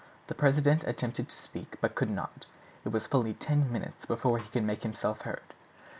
The president attempted to speak, but could not. It was fully ten minutes before he could make himself heard.